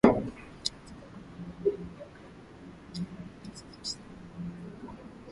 Katika Kombe la Dunia la mwaka elfu moja mia tisa tisini na nne Marekani